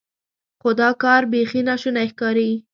خو دا کار بیخي ناشونی ښکاري.